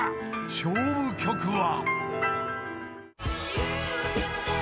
［勝負曲は］